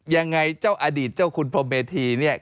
ยังไงเจ้าอดีตเจ้าคุณพรมเมธีเนี่ย